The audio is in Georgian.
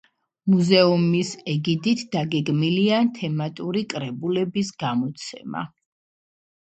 მუზეუმის ეგიდით დაგეგმილია თემატური კრებულების გამოცემა.